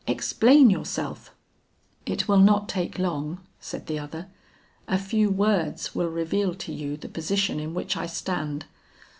Explain yourself." "It will not take long," said the other; "a few words will reveal to you the position in which I stand.